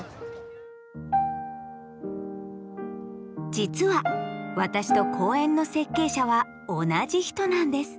実は私と公園の設計者は同じ人なんです。